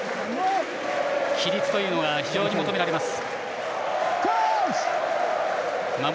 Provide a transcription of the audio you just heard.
規律というのが非常に求められます。